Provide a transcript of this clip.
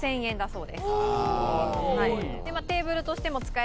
そうですね。